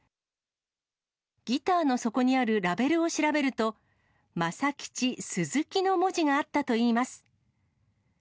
ギターの底にあるラベルを調べると、マサキチ・スズキの文字があったといいます。